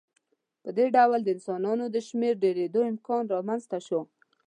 په دې ډول د انسانانو د شمېر ډېرېدو امکان رامنځته شو.